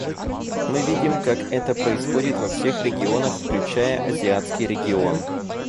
Мы видим, как это происходит во всех регионах, включая азиатский регион.